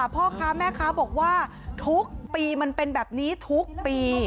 พ่อค้าแม่ค้าบอกว่าทุกปีมันเป็นแบบนี้ทุกปี